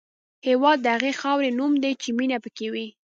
هېواد د هغې خاورې نوم دی چې مینه پکې وي.